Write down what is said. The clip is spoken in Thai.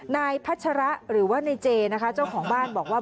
นายพัชระหรือว่าในเจนะคะเจ้าของบ้านบอกว่า